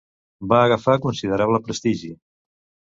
Va agafar considerable prestigi.